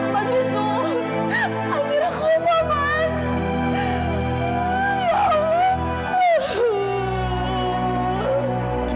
mas bistro amirahku bapak